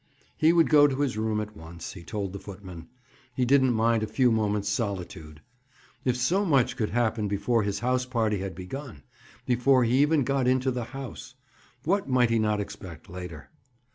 He would go to his room at once, he told the footman. He didn't mind a few moments' solitude. If so much could happen before his house party had begun—before he even got into the house—what might he not expect later?